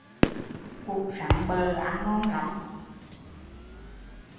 Củ sắn bợ ăn ngon lắm